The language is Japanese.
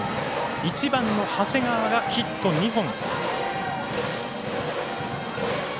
１番の長谷川がヒット２本。